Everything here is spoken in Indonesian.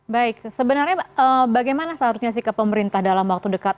baik sebenarnya bagaimana seharusnya sikap pemerintah dalam waktu dekat